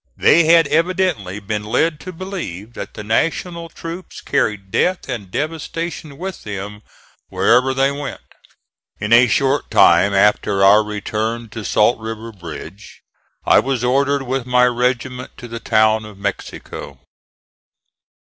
They had evidently been led to believe that the National troops carried death and devastation with them wherever they went. In a short time after our return to Salt River bridge I was ordered with my regiment to the town of Mexico.